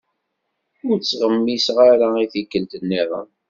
Ur ttɣemmiseɣ ara i tikkelt- nniḍen.